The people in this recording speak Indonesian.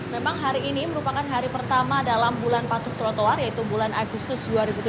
memang hari ini merupakan hari pertama dalam bulan patuh trotoar yaitu bulan agustus dua ribu tujuh belas